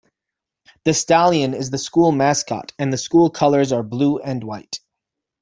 The stallion is the school mascot and the school colors are blue and white.